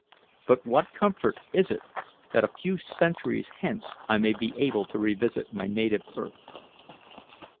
But what comfort is it that a few centuries hence I may be able to revisit my native earth?